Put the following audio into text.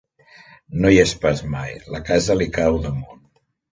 No hi és pas mai; la casa li cau damunt.